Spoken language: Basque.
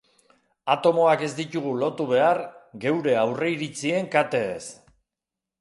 Atomoak ez ditugu lotu behar geure aurreiritzien kateez.